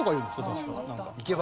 確か。